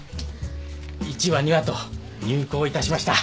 １話２話と入稿いたしました。